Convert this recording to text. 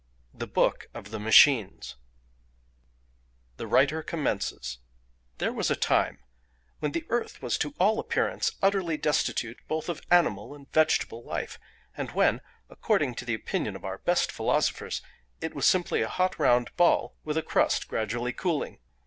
THE BOOK OF THE MACHINES The writer commences:—"There was a time, when the earth was to all appearance utterly destitute both of animal and vegetable life, and when according to the opinion of our best philosophers it was simply a hot round ball with a crust gradually cooling.